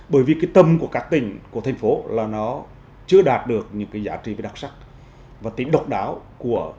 bởi vì cái tâm của các tỉnh của thành phố là nó chưa đạt được những cái giá trị về đặc sắc và tính độc đáo của